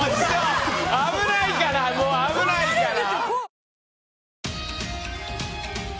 危ないからもう危ないから！